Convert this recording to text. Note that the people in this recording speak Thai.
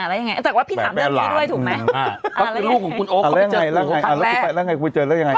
อ่าแล้วยังไงแต่ว่าพี่ถามเรื่องนี้ด้วยถูกไหม